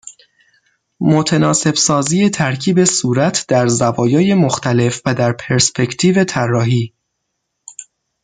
متناسب سازی ترکیب صورت در زوایای مختلف و در پرسپکتیو طراحی